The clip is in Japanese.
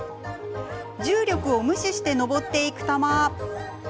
重力を無視して登っていく玉。